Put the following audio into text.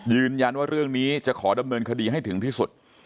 ยืนยันว่าเรื่องนี้จะขอดำเนินคดีให้ถึงที่สุด